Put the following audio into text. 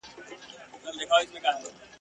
او ستا پت مي په مالت کي دی ساتلی ..